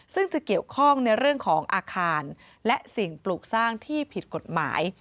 ซึ่งจะเกี่ยวข้องในเรื่องของอาคารและสิ่งปลูกสร้างที่ผิดกฎหมาย